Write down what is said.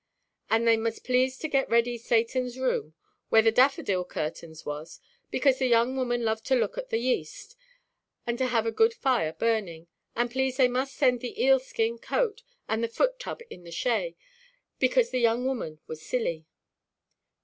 And they must please to get ready Satanʼs room, where the daffodil curtains was, because the young woman loved to look at the yeast, and to have a good fire burning. And please they must send the eel–skin cloak, and the foot–tub in the shay, because the young woman was silly.